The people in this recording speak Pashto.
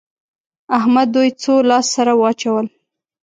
احمد دوی څو لاس سره واچول؟